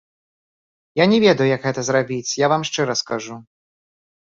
Я не ведаю, як гэта зрабіць, я вам шчыра скажу.